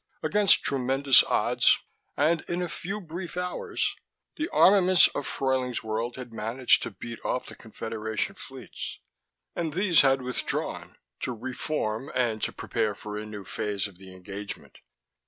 Against tremendous odds, and in a few brief hours, the armaments of Fruyling's World had managed to beat off the Confederation fleets, and these had withdrawn to reform and to prepare for a new phase of the engagement.